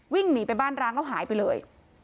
วิ่งหนีไปบ้านร้างแล้วหายไปเลย